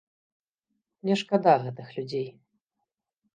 Мне шкада гэтых людзей.